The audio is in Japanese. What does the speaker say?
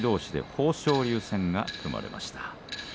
豊昇龍戦が組まれました。